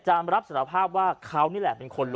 ชาวบ้านญาติโปรดแค้นไปดูภาพบรรยากาศขณะ